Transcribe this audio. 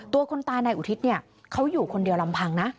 แต่ว่าเพราะว่าโถงเข้าแม้ควรลูกหลง